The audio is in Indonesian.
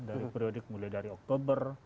dari periodik mulai dari oktober